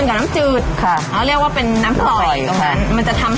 พอได้มะพร้าวมาก็มา